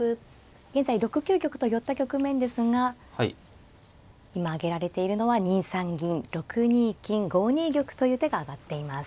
現在６九玉と寄った局面ですが今挙げられているのは２三銀６二金５二玉という手が挙がっています。